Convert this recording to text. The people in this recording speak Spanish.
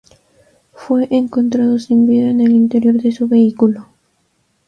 Fue encontrado sin vida en el interior de su vehículo.